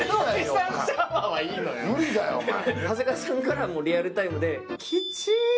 無理だよ、おまえ。